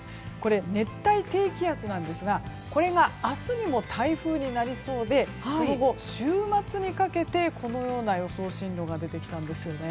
熱帯低気圧なんですがこれが明日にも台風になりそうでその後、週末にかけてこのような予想進路が出てきたんですよね。